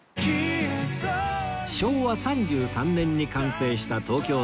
昭和３３年に完成した東京タワー